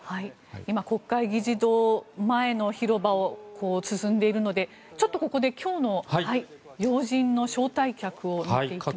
今、国会議事堂前の広場を進んでいるのでちょっとここで今日の要人の招待客を見ていきます。